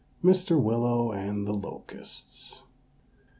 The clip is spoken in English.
MR. WILLOW AND THE LOCUSTS.